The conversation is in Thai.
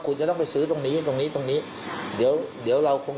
คุณจะต้องไปซื้อตรงนี้ตรงนี้ตรงนี้เดี๋ยวเดี๋ยวเราคง